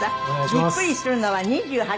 びっくりするのは２８。